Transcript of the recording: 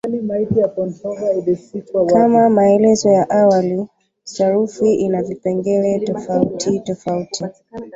Kama maelezo ya awali, sarufi ina vipengele tofautitofauti.